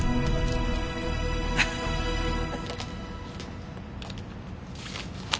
アハハハ。